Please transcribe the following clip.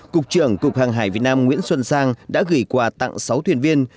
cục trưởng cục hàng hải việt nam nguyễn xuân sang đã gửi quà tặng sáu thuyền viên